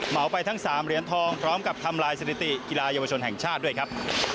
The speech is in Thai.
เอาไปทั้ง๓เหรียญทองพร้อมกับทำลายสถิติกีฬาเยาวชนแห่งชาติด้วยครับ